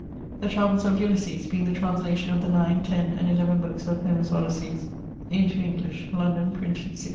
The travells of Ulysses, being the translation of the 9, 10, and 11 bookes of Homer's Odysses into English; London, printed 1674.